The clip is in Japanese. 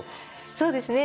そうですね